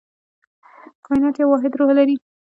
کائنات یو واحد روح لري.